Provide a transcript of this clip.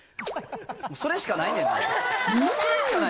それしかないねんな。